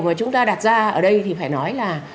mà chúng ta đặt ra ở đây thì phải nói là